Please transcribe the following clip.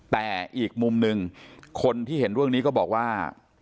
แต่อีกมุมหนึ่งคนที่เห็นเรื่องนี้ก็บอกว่า